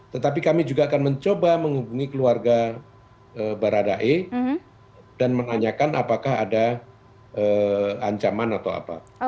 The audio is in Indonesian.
tetapi kami juga akan mencoba menghubungi keluarga baradae dan menanyakan apakah ada ancaman atau apa